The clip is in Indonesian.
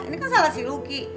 ini kan salah si lucky